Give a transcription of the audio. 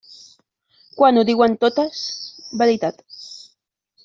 Quan ho diuen totes, veritat.